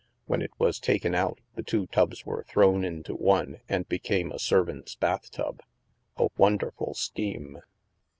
When it was taken out, the two tubs were thrown into one and became a servant's bathtub. A won derful scheme!